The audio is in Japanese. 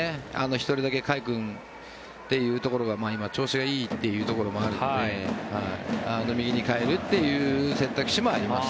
１人だけ甲斐君というところが今、調子がいいというところもあるので右に代えるという選択肢もあります。